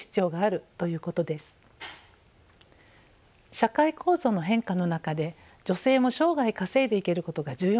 社会構造の変化の中で女性も生涯稼いでいけることが重要になっています。